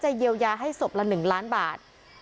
เยียวยาให้ศพละ๑ล้านบาท